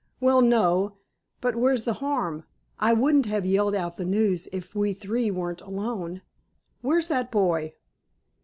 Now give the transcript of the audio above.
"Well, no. But where's the harm? I wouldn't have yelled out the news if we three weren't alone. Where's that boy?"